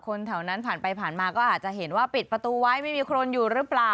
แถวนั้นผ่านไปผ่านมาก็อาจจะเห็นว่าปิดประตูไว้ไม่มีคนอยู่หรือเปล่า